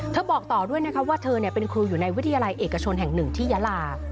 บอกต่อด้วยนะคะว่าเธอเป็นครูอยู่ในวิทยาลัยเอกชนแห่งหนึ่งที่ยาลา